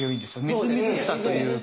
みずみずしさというか。